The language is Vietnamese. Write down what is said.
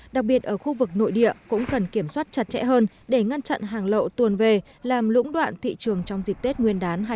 đặc biệt ở khu vực nội địa cũng cần kiểm soát chặt chẽ hơn để ngăn chặn hàng lậu tuồn về làm lũng đoạn thị trường trong dịp tết nguyên đán hai nghìn hai mươi